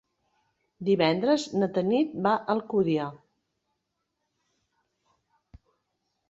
Divendres na Tanit va a Alcúdia.